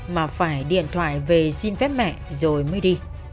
mà phải điện thoại về xin phép mẹ rồi mới đi